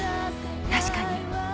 確かに。